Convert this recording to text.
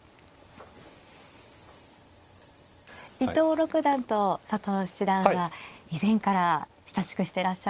伊藤六段と佐藤七段は以前から親しくしてらっしゃるんですよね。